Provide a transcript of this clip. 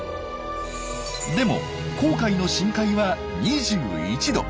でも紅海の深海は２１℃。